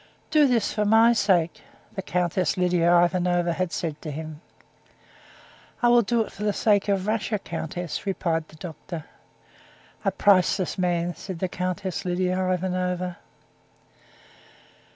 "Do this for my sake," the Countess Lidia Ivanovna had said to him. "I will do it for the sake of Russia, countess," replied the doctor. "A priceless man!" said the Countess Lidia Ivanovna.